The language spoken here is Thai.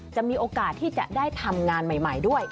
จะมีโอกาสที่จะได้ทำงานใหม่ด้วย